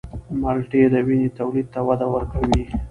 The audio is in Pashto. مالټې د وینې تولید ته وده ورکوي.